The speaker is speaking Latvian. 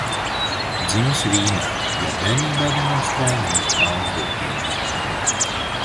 Dzimis Vīnē, jau bērnībā demonstrēja muzikālas dotības.